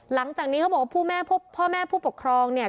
หลังจากนี้เขาบอกว่าพ่อแม่ผู้ปกครองเนี่ย